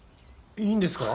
いいんですか？